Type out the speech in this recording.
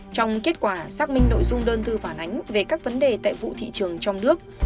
trong kết quả xác minh nội dung đơn thư phản ánh về các vấn đề tại vụ thị trường trong nước